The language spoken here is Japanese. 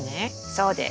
そうです。